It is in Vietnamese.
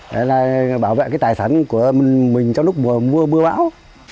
để bảo vệ tài sản của mình trong lúc mùa mưa bão